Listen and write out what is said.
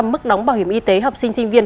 ba mươi mức đóng bảo hiểm y tế học sinh sinh viên